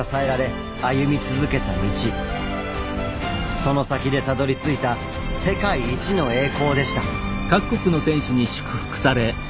その先でたどりついた世界一の栄光でした。